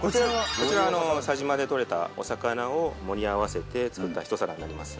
こちら佐島でとれたお魚を盛り合わせて作った一皿になります